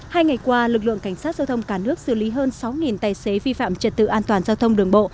hai ngày qua lực lượng cảnh sát giao thông cả nước xử lý hơn sáu tài xế vi phạm trật tự an toàn giao thông đường bộ